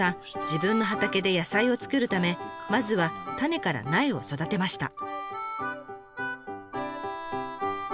自分の畑で野菜を作るためまずは種から苗を育てました。